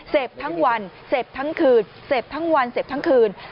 ทั้งวันเสพทั้งคืนเสพทั้งวันเสพทั้งคืน